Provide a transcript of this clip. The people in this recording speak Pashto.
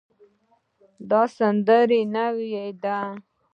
دا سندره نوې ده